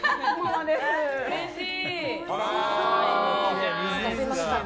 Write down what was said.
うれしい！